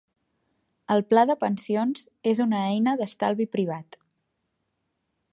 El pla de pensions és una eina d'estalvi privat.